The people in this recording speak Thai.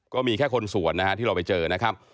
ก็มีแค่คนสวนนะฮะที่เราไปเจอนะครับ